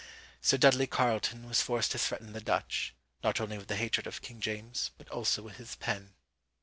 Sir Dudley Carleton was forced to threaten the Dutch, not only with the hatred of King James, but also with his pen."